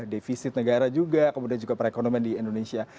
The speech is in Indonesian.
defisit negara juga kemudian juga perekonomian di indonesia